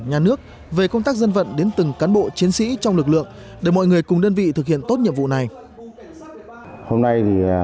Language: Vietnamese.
nhà nước về công tác dân vận đến từng cán bộ chiến sĩ trong lực lượng để mọi người cùng đơn vị thực hiện tốt nhiệm vụ này